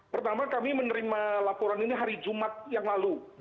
pertama kami menerima laporan ini hari jumat yang lalu